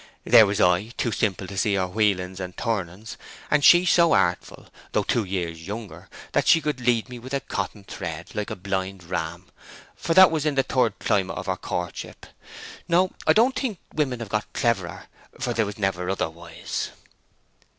There was I, too simple to see her wheelings and turnings; and she so artful, though two years younger, that she could lead me with a cotton thread, like a blind ram; for that was in the third climate of our courtship. No; I don't think the women have got cleverer, for they was never otherwise."